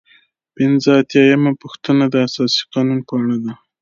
پنځه اتیا یمه پوښتنه د اساسي قانون په اړه ده.